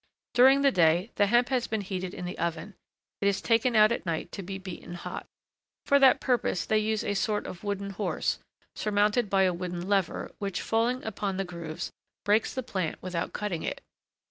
During the day, the hemp has been heated in the oven; it is taken out at night to be beaten hot. For that purpose, they use a sort of wooden horse, surmounted by a wooden lever, which, falling upon the grooves, breaks the plant without cutting it.